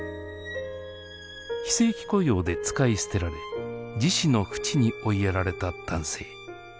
非正規雇用で使い捨てられ自死のふちに追いやられた男性。